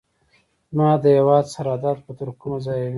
زما د هیواد سرحدات به تر کومه ځایه وي.